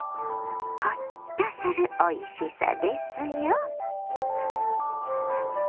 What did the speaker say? ホッとするおいしさですよ。